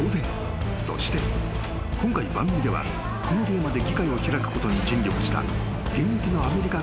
［そして今回番組ではこのテーマで議会を開くことに尽力したアメリカ］